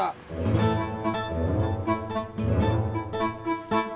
bapak gua anggota